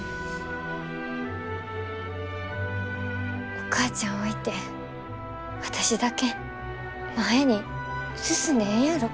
お母ちゃん置いて私だけ前に進んでええんやろか。